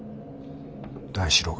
大四郎が。